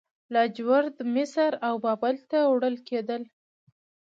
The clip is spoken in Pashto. لاجورد مصر او بابل ته وړل کیدل